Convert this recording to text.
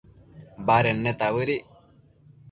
baded neta bëdic